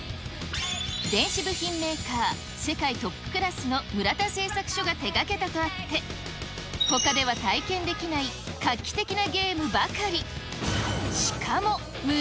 電子部品メーカー、世界トップクラスの村田製作所が手がけたとあって、ほかでは体験できない画期的なゲームばかり。